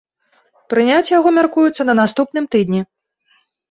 Прыняць яго мяркуецца на наступным тыдні.